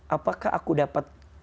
apakah aku dapet